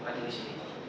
tadi di sini